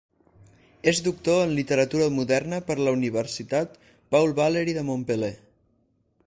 És doctor en Literatura Moderna per la Universitat Paul Valéry de Montpeller.